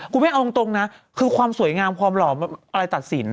คุณแม่เอาตรงนะคือความสวยงามความหล่ออะไรตัดสิน